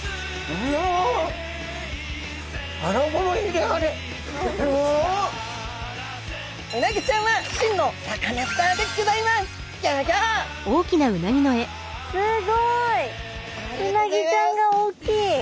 うなぎちゃんが大きい！